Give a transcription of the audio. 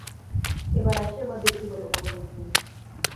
এবার আসি আমার ব্যক্তিগত মতামত নিয়ে।